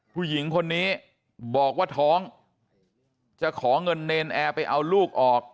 ผู้หญิงคนนี้บอกว่าท้องจะขอเงินเนรนแอร์ไปเอาลูกออก